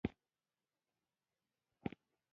دغه سرچینه وایي په داسې حال کې